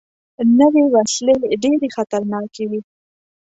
نوې وسلې ډېرې خطرناکې وي